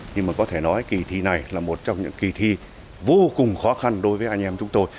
nhưng mà có thể nói kỳ thi này là một trong những kỳ thi vô cùng khó khăn đối với anh em chúng tôi